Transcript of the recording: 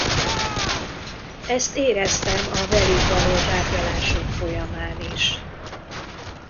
Ezt éreztem a velük való tárgyalások folyamán is.